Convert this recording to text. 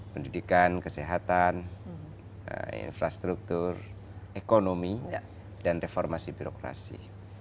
pendidikan kesehatan infrastruktur ekonomi dan reformasi birokrasi